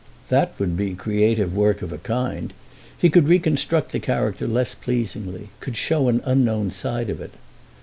That would be "creative work" of a kind—he could reconstruct the character less pleasingly, could show an unknown side of it.